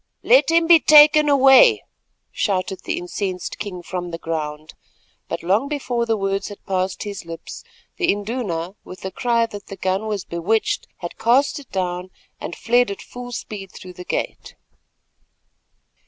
"Let him be taken away," shouted the incensed king from the ground, but long before the words had passed his lips the Induna, with a cry that the gun was bewitched, had cast it down and fled at full speed through the gate.